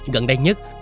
gần đây nhất